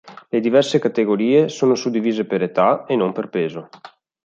Le diverse categorie sono suddivise per età, e non per peso.